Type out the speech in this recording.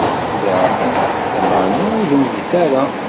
Zeɛfet, lameɛna ur dennbet ara.